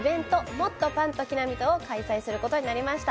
「もっとパンとキナミと」を開催することになりました。